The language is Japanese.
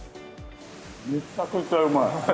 めっちゃくちゃうまい。